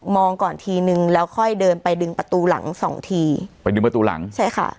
ก่อนทีนึงแล้วค่อยเดินไปดึงประตูหลังสองทีไปดึงประตูหลังใช่ค่ะ